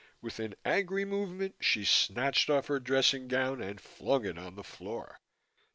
With an angry movement, she snatched off her dressing gown and flung it on the floor.